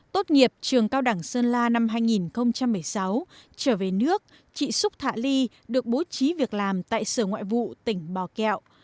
tốt nghiệp trường cao đẳng sơn la năm hai nghìn một mươi sáu trở về nước chị xúc thạ ly được bố trí việc làm tại sở ngoại vụ tỉnh bò kẹo